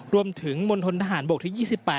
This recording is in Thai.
รวมถึงมณฑนทหารบกที่๒๘